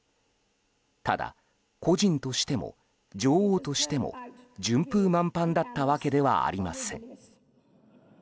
ただ、個人としても女王としても順風満帆だったわけではありません。